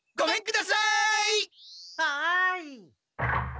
はい。